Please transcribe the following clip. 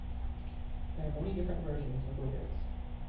There are many different versions of the lyrics.